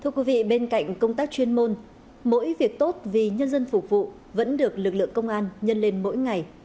thưa quý vị bên cạnh công tác chuyên môn mỗi việc tốt vì nhân dân phục vụ vẫn được lực lượng công an nhân lên mỗi ngày